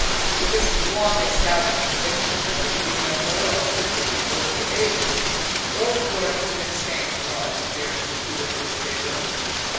With this long established conviction that there could be no moral sifting of political agents, the old Florentine abstained from all interference in Tito's disfavour.